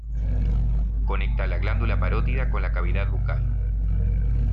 Conecta la glándula parótida con la cavidad bucal.